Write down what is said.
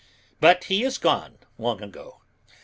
But he is gone long ago.